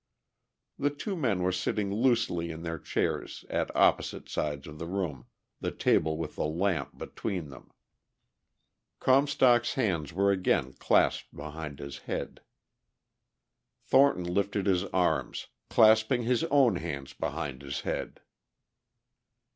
The two men were sitting loosely in their chairs at opposite sides of the room, the table with the lamp between them. Comstock's hands were again clasped behind his head. Thornton lifted his arms, clasping his own hands behind his head.